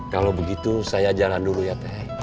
kalau begitu saya jalan dulu ya teh